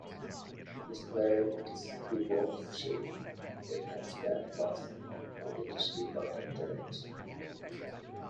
Despite its two-box shape, a hatchback was not initially part of the range.